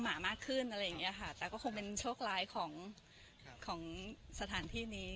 หมามากขึ้นอะไรอย่างเงี้ยค่ะแต่ก็คงเป็นโชคร้ายของของสถานที่นี้